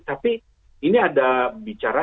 tapi ini ada bicara